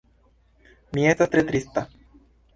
Mi estas tre trista.